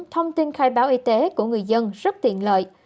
thông tin khai báo y tế của người dân rất tiện lợi